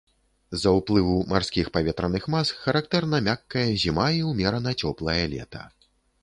З-за ўплыву марскіх паветраных мас характэрна мяккая зіма і ўмерана цёплае лета.